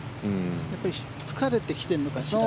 やっぱり疲れてきているのかしら。